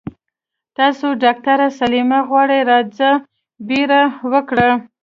تاسو ډاکټره سليمه غواړي راځه بيړه وکړه.